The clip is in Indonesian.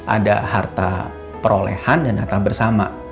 ada harta perolehan dan harta bersama